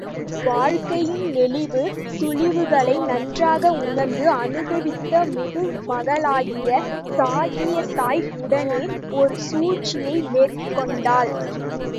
வாழ்க்கையின் நெளிவு சுளிவுகளை நன்றாக உணர்ந்து அனுபவித்த முதுமகளாகிய சாங்கியத் தாய் உடனே ஒரு சூழ்ச்சியை மேற் கொண்டாள்.